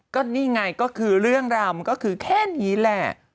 ก็นี่ไงก็คือเรื่องราวมันก็คือแค่นี้แหละ